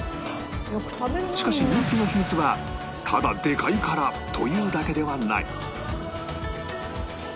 しかし人気の秘密はただでかいからというだけではない